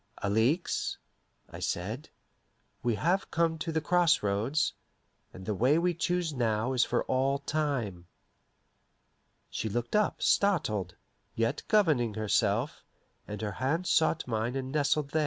"Alixe," I said, "we have come to the cross roads, and the way we choose now is for all time." She looked up, startled, yet governing herself, and her hand sought mine and nestled there.